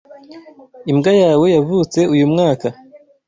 Imbwa yawe yavutse uyu mwaka.